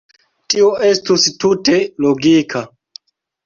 Tio estus tute logika.